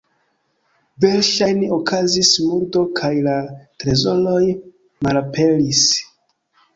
Verŝajne okazis murdo kaj la trezoroj malaperis.